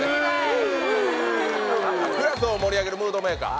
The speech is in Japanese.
フーックラスを盛り上げるムードメーカー